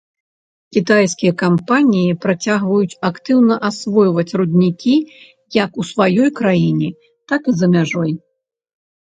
Кітайскія кампаніі працягваюць актыўна асвойваць руднікі як у сваёй краіне, так і за мяжой.